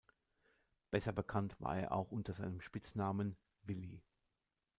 Besser bekannt war er auch unter seinem Spitznamen „Willy“.